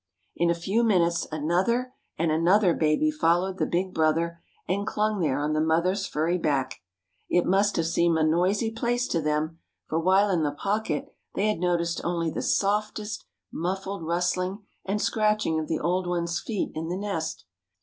In a few minutes another and another baby followed the big brother and clung there on the mother's furry back. It must have seemed a noisy place to them, for while in the pocket they had noticed only the softest muffled rustling and scratching of the old one's feet in the nest.